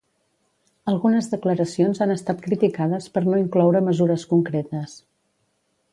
Algunes declaracions han estat criticades per no incloure mesures concretes.